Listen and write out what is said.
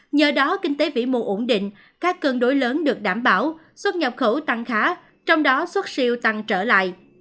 nhờ đó kinh tế vĩ mô ổn định các cân đối lớn được đảm bảo xuất nhập khẩu tăng khá trong đó xuất siêu tăng trở lại